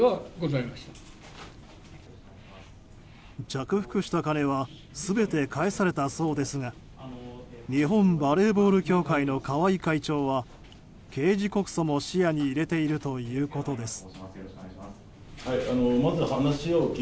着服した金は全て返されたそうですが日本バレーボール協会の川合会長は刑事告訴も視野に入れているということです。